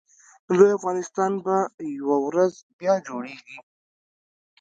لوی افغانستان به یوه ورځ بیا جوړېږي